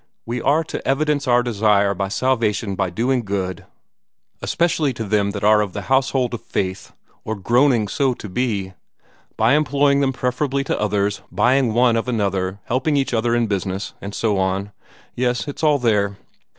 We are to 'evidence our desire of salvation by doing good, especially to them that are of the household of faith, or groaning so to be; by employing them preferably to others; buying one of another; helping each other in business' and so on. Yes, it's all there."